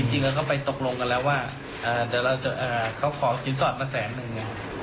จริงแล้วเขาไปตกลงกันแล้วว่าเดี๋ยวเขาขอสินสอดมาแสนนึง